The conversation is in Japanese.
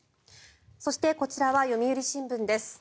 そして、こちらは読売新聞です。